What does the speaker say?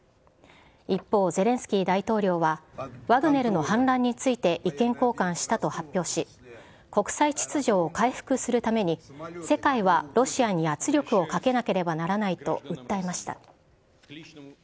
一方、ゼレンスキー大統領は、ワグネルの反乱について意見交換したと発表し、国際秩序を回復するために、世界はロシアに圧力をかけなければならないと訴えました。